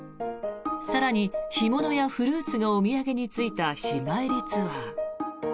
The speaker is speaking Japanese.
更に、干物やフルーツがお土産についた日帰りツアー。